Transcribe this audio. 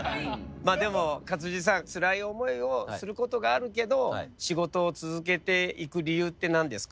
まあでも勝地さんつらい思いをすることがあるけど仕事を続けていく理由って何ですか？